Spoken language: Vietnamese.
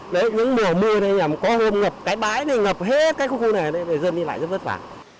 đấy những mùa mưa này có hôm ngập cái bãi này ngập hết cái khu này dân đi lại rất vất vả